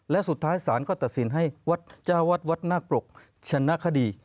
และสุดท้ายศาลก็ตัดสินให้วัดเจ้าวัดวัดนาคปรกชนะคดี